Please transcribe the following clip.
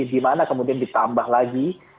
di mana kemudian ditambah lagi